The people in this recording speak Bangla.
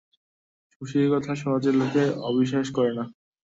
শশীর কথা সহজে লোকে অবিশ্বাস করে না।